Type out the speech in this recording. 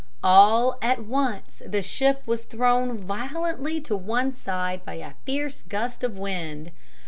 All at once the ship was thrown violently to one side by a fierce gust of wind.